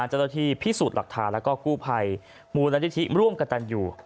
เจ้าตัวที่พิสูจน์หลักฐานและกู้ภัยมูลนาฬิธิร่วมกันอยู่